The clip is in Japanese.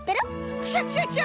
クシャシャシャ！